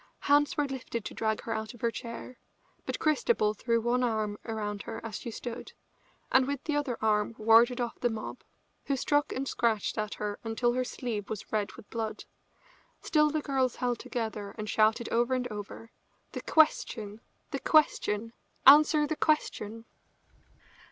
Hands were lifted to drag her out of her chair, but Christabel threw one arm about her as she stood, and with the other arm warded off the mob, who struck and scratched at her until her sleeve was red with blood. Still the girls held together and shouted over and over: "The question! The question! Answer the question!"